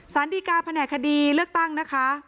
สานดีการณ์แผนขดีเลือกตั้งนะครับ